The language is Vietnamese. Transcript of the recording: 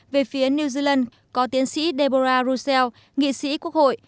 về phía new zealand có tiến sĩ deborah roussel nghị sĩ quốc hội